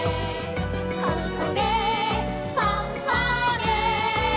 「ここでファンファーレ」